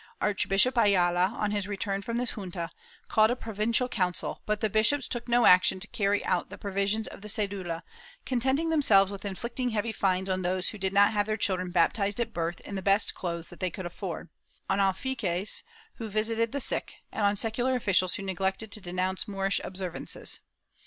Archbishop Ayala, on his return from this junta, called a provin cial council, but the bishops took no action to carry out the pro visions of the cedula, contenting themselves with inflicting heavy fines on those who did not have their children baptized at birth in the best clothes that they could afford ; on alfaqufes who visited the sick, and on secular officials who neglected to denounce Moorish observances.